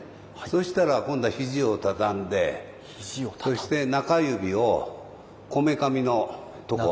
そしたら今度は肘を畳んでそして中指をこめかみのとこ。